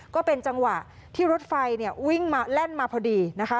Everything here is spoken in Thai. ก็เป็นจังหวะที่รถไฟวิ่งมาแล่นมาพอดีนะคะ